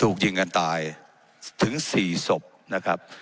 ถูกยิงกันตายถึง๔ศพนะครับ